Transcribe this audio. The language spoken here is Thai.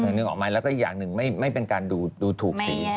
อีกอย่างหนึ่งไม่เป็นการดูถูกสี